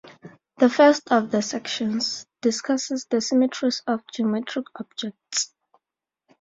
The first of the sections discusses the symmetries of geometric objects.